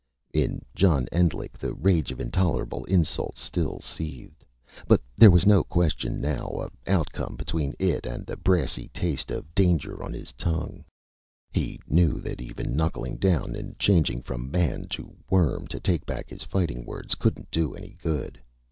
In John Endlich the rage of intolerable insults still seethed. But there was no question, now, of outcome between it and the brassy taste of danger on his tongue. He knew that even knuckling down, and changing from man to worm to take back his fighting words, couldn't do any good.